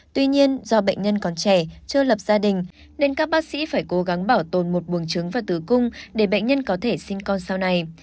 tuy nhiên do bệnh nhân còn trẻ chưa lập gia đình nên các bác sĩ phải cố gắng bảo tồn một buồng trứng và tử cung để bệnh nhân có thể sinh con sau này